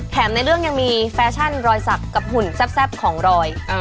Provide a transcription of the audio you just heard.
ในเรื่องยังมีแฟชั่นรอยสักกับหุ่นแซ่บของรอย